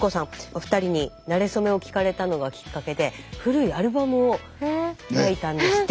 お二人になれそめを聞かれたのがきっかけで古いアルバムを開いたんですって。